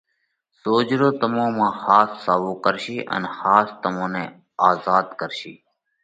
سوجھرو تمون مانه ۿاس ساوَو ڪرشي، ان ۿاس تمون نئہ آزاڌ ڪرشي۔